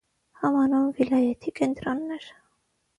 Համանուն վիլայեթի կենտրոնն էր։